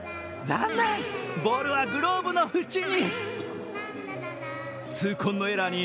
残念、ボールはグローブの縁に。